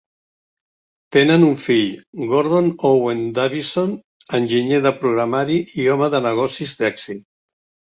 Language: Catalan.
Tenen un fill, Gordon Owen Davisson, enginyer de programari i home de negocis d'èxit.